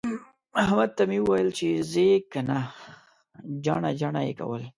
احمد ته مې وويل چې ځې که نه؟ جڼه جڼه يې کول.